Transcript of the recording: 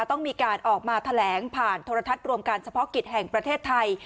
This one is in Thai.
ต้องมีการออกมาแถลงผ่านโทรทัศน์รวมการเฉพาะกิจแห่งประเทศไทย